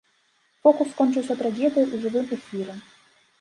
Фокус скончыўся трагедыяй у жывым эфіры.